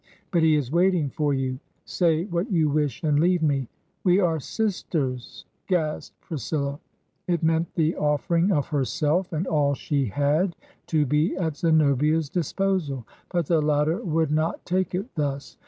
But he is waiting for you. Say what you wish, and leave me.' 'We are sisters!' gasped Priscilla. ... It meant the offering of herself, and all she had, to be at Zenobia's disposal. But the latter would not take it thus.